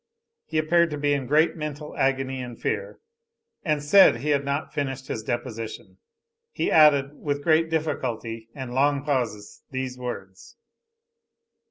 He appeared to be in great mental agony and fear; and said he had not finished his deposition. He added, with great difficulty and long pauses these words.